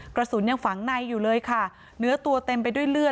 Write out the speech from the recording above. กระสุนยังฝังในอยู่เลยค่ะเนื้อตัวเต็มไปด้วยเลือด